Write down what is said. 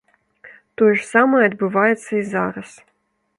Тое ж самае адбываецца і зараз.